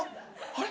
あれ？